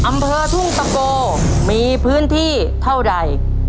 อำเภอทุ่งตะโกมีพื้นที่เท่าใด